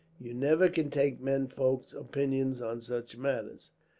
"You never can take menfolks' opinions on such matters.